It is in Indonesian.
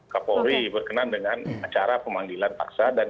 kapolri berkenan dengan acara pemanggilan paksa